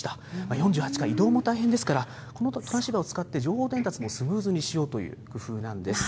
４８階移動も大変ですから、このトランシーバーを使って情報伝達もスムーズにしようという工夫なんです。